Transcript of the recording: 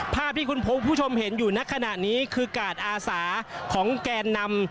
ภาพที่คุณผู้ชมเห็นอยู่ในขณะนี้คือกาดอาสาของแกนนำ